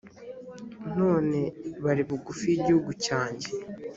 none bari bugufi y’igihugu cyanjye.